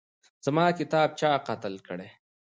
زما کتاب چا قتل کړی